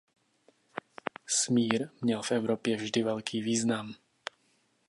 Smír měl v Evropě vždy velký význam.